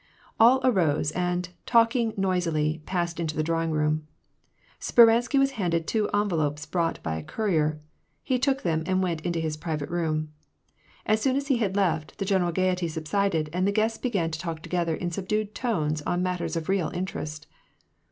All arose and, talking noisily, passed into the drawing room. Speransky was handed two envelopes brought by a courier. He took them and went into his private room. As soon as he had left, the general gayety subsided, and the guests began to talk together in subdued tones on matters of real interest.